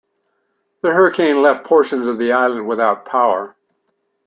The hurricane left portions of the island without power.